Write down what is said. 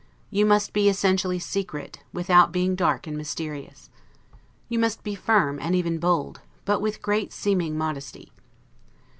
You must be essentially secret, without being dark and mysterious. You must be firm, and even bold, but with great seeming modesty.